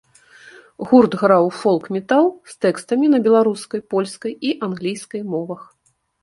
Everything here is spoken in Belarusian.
Гурт граў фолк-метал з тэкстамі на беларускай, польскай і англійскай мовах.